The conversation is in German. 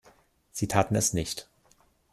Sie taten es nicht!